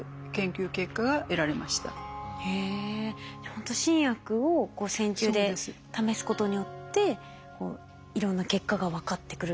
ほんと新薬を線虫で試すことによっていろんな結果が分かってくる。